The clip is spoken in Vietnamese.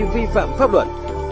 vi phạm pháp luật